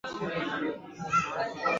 Kikombe kizuri.